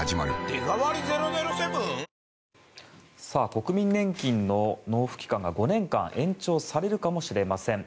国民年金の納付期間が５年間延長されるかもしれません。